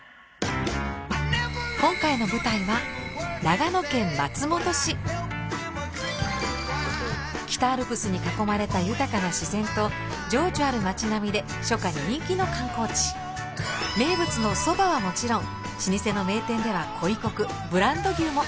今回の舞台は北アルプスに囲まれた豊かな自然と情緒ある街並みで名物のそばはもちろん老舗の名店では鯉こくブランド牛も！